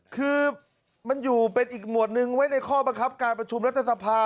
คือมันอยู่เป็นอีกหมวดนึงไว้ในข้อบังคับการประชุมรัฐสภา